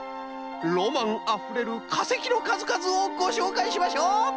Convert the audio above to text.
ロマンあふれるかせきのかずかずをごしょうかいしましょう。